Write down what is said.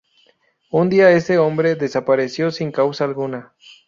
Un día ese hombre desapareció sin causa alguna.